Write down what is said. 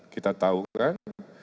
kita tahu kan